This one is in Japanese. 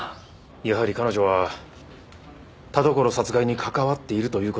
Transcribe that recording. やはり彼女は田所殺害に関わっているという事でしょうか？